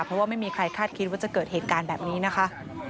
เพราะว่าไม่มีใครคาดคิดว่าจะเกิดเหตุการณ์แบบนี้นะคะ